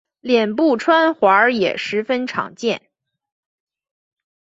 脸部穿环也十分常见。